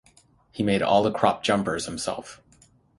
He made all the cropped jumpers himself.